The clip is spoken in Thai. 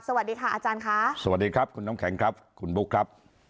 สวัสดีค่ะอาจารย์ค่ะสวัสดีครับคุณน้ำแข็งครับคุณบุ๊คครับ